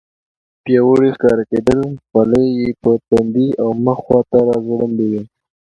پیاوړي ښکارېدل، خولۍ یې پر تندي او مخ خواته راځوړندې وې.